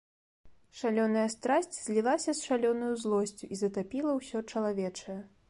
Шалёная страсць злілася з шалёнаю злосцю і затапіла ўсё чалавечае.